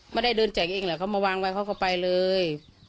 ไม่ได้เดินแจกเองแหละเขามาวางไว้เขาก็ไปเลย